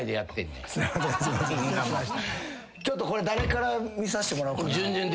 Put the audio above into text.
ちょっとこれ誰から見さしてもらおうかな。